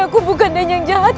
aku bukan dan yang jahat